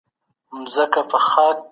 آيا موږ د خپل هېواد په وړاندي مسؤليت لرو؟